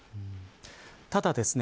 ただですね